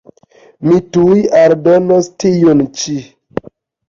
Mi tuj aldonos tiun ĉi.